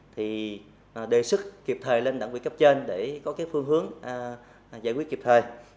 thì đề xuất kịp thời lên đảng viên cấp trên để có phương hướng giải quyết kịp thời